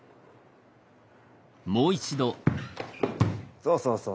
そうそうそう。